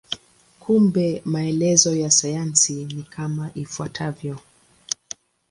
Kumbe maelezo ya sayansi ni kama ifuatavyo.